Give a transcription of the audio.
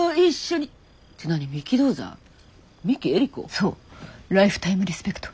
そうライフタイムリスペクト。